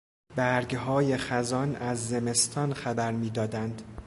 برگهای خزان از زمستان خبر میدادند.